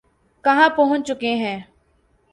کہاں پہنچ چکے ہیں۔